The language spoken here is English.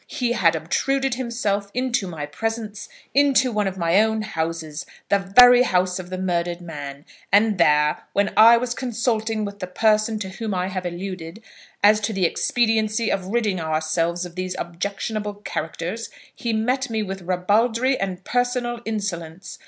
He had obtruded himself into my presence, into one of my own houses, the very house of the murdered man, and there, when I was consulting with the person to whom I have alluded as to the expediency of ridding ourselves of these objectionable characters, he met me with ribaldry and personal insolence.